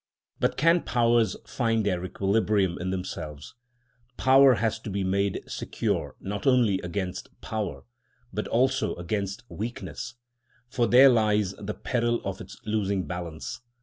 But can powers find their equilibrium in themselves? Power has to be made secure not only against power, but also against weakness; for there lies the peril of its losing balance.